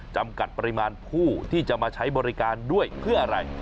จำกัดปริมาณผู้ที่จะมาใช้บริการด้วยเพื่ออะไร